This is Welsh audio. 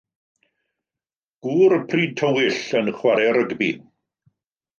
Gŵr pryd tywyll yn chwarae rygbi.